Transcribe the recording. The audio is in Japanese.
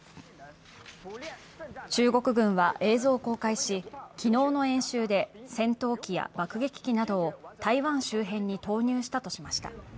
中国軍は映像を公開し、昨日の演習で戦闘機や爆撃機などを台湾周辺に投入したとしました。